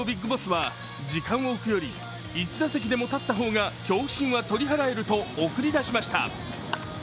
ＢＩＧＢＯＳＳは、時間を置くより１打席でも立った方が恐怖心は取り払えると送り出しました。